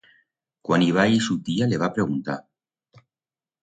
Cuan i va ir su tía le va preguntar.